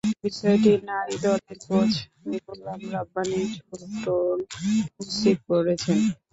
বিষয়টি নারী দলের কোচ গোলাম রাব্বানি ছোটন নিশ্চিত করেছেন।